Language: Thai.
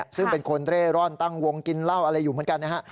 ซึ่งเป็นคนเร่ร่อนตั้งวงกินเหล้าอะไรอยู่เหมือนกันนะฮะ